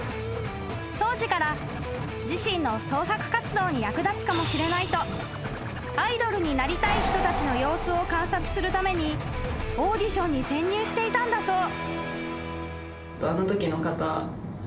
［当時から自身の創作活動に役立つかもしれないとアイドルになりたい人たちの様子を観察するためにオーディションに潜入していたんだそう］